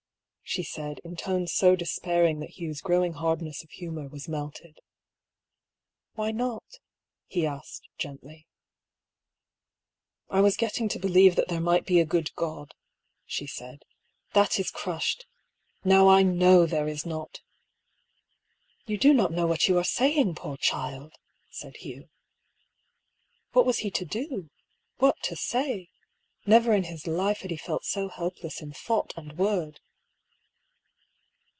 she said, in tones so despairing that Hugh's growing hardness of humour was melted. " Why not ?" he asked, gently. THE LOCKET. 121 ^^ I was getting to believe that there might be a good God," she said. " That — is crushed — now I kiiow there is not!" "You do not know what you are saying, poor child !" said Hugh. What was he to do? What to say? Never in his life had he felt so helpless in thought and word.